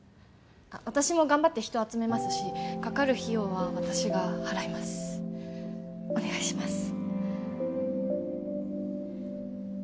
私も頑張って人集めますしかかる費用は私が払いますお願いします